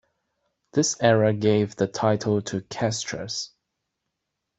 This error gave the title to Castres.